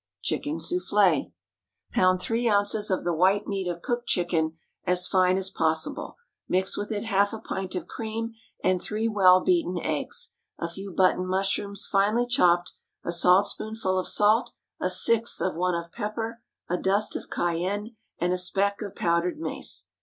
Chicken Soufflé. Pound three ounces of the white meat of cooked chicken as fine as possible; mix with it half a pint of cream and three well beaten eggs, a few button mushrooms finely chopped, a saltspoonful of salt, a sixth of one of pepper, a dust of cayenne, and a speck of powdered mace.